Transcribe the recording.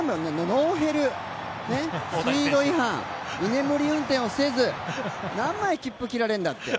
ノーヘル、スピード違反居眠り運転をせず何枚、切符を切られるんだって。